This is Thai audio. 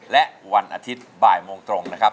และวันอาทิตย์บ่ายโมงตรงนะครับ